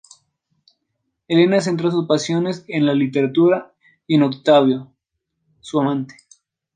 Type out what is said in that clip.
Elena centra sus pasiones en la literatura y en Octavio, su amante.